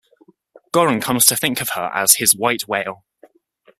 Goren comes to think of her as his "white whale".